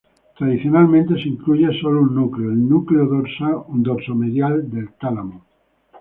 Tradicionalmente se incluye solo un núcleo, el núcleo dorso medial del tálamo.